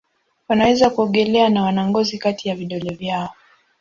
Wanaweza kuogelea na wana ngozi kati ya vidole vyao.